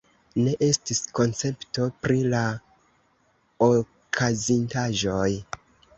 Ne estis koncepto pri la okazintaĵoj.